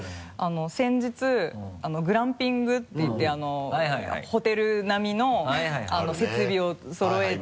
先日グランピングっていってホテル並みの設備をそろえて。